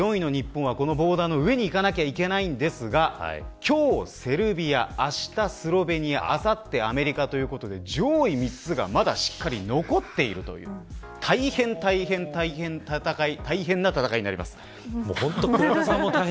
ですから４位の日本は、このボーダーの上にいかなければいけないんですが今日、セルビアあした、スロベニアあさって、アメリカということで上位３つがまだしっかり残っているという大変な戦いになります。